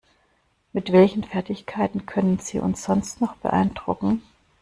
Mit welchen Fertigkeiten können Sie uns sonst noch beeindrucken?